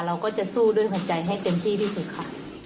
เราก็จะสู้ด้วยหัวใจให้เต็มที่ที่สุดค่ะ